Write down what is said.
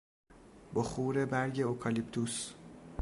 بخور برگ اکالیپتوس